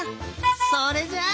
それじゃあ。